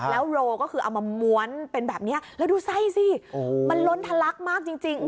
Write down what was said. แล้วโรก็คือเอามาม้วนเป็นแบบนี้แล้วดูไส้สิมันล้นทะลักมากจริง